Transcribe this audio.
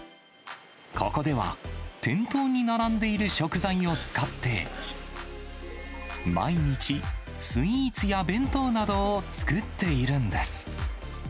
ここでは、店頭に並んでいる食材を使って、毎日、スイーツや弁当などを作っているんです。